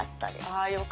あよかった。